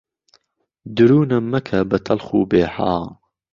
دوروونم مهکه به تهڵخ وبێ حاڵ